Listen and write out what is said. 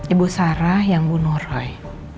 ibu sarah yang bunuh roy